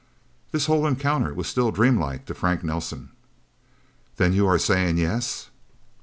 This whole encounter was still dreamlike to Frank Nelsen. "Then you are saying yes?"